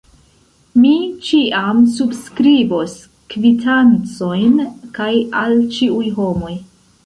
Mi ĉiam subskribos kvitancojn, kaj al ĉiuj homoj.